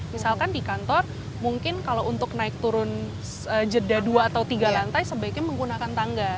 misalkan di kantor mungkin kalau untuk naik turun jeda dua atau tiga lantai sebaiknya menggunakan tangga